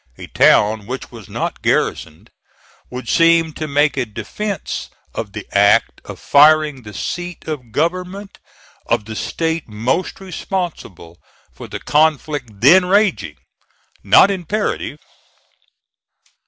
a town which was not garrisoned, would seem to make a defence of the act of firing the seat of government of the State most responsible for the conflict then raging, not imperative.